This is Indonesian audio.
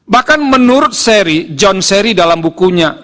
bahkan menurut john sary dalam bukunya